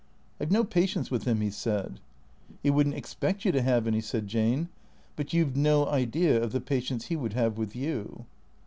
" I 've no patience with him," he said. " He would n't expect you to have any," said Jane. " But you 've no idea of the patience he would have with you."